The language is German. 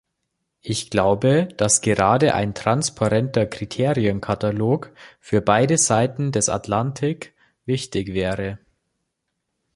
Ich glaube, dass gerade ein transparenter Kriterienkatalog für beide Seiten des Atlantik wichtig wäre.